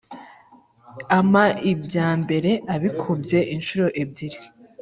Ampa ibya mbere abikubye incuro ebyiri